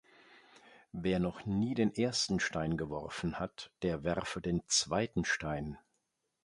Wer noch nie den ersten Stein geworfen hat, der werfe den zweiten Stein!